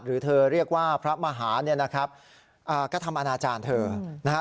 หรือเธอเรียกว่าพระมหาเนี่ยนะครับกระทำอนาจารย์เธอนะฮะ